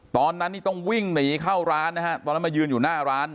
ตอนนั้นนี่ต้องวิ่งหนีเข้าร้านนะฮะตอนนั้นมายืนอยู่หน้าร้าน